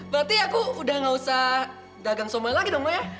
berarti aku udah gak usah dagang somai lagi dong ya